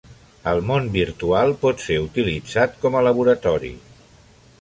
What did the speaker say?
El món virtual pot ser utilitzat com a laboratori.